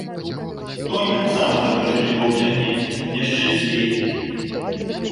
Той таксама за бальшавікоў цягнець, яшчэ злей.